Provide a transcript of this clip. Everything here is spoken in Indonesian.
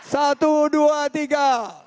satu dua tiga